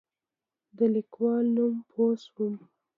د لیکوال نوم پوه شوم.